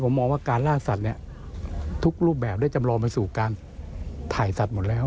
ผมมองว่าการล่าสัตว์เนี่ยทุกรูปแบบได้จำลองไปสู่การถ่ายสัตว์หมดแล้ว